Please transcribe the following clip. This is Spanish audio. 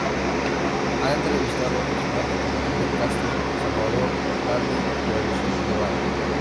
Ha entrevistado a personajes como Fidel Castro, Salvador Dalí o el Che Guevara.